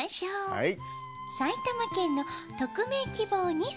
はい。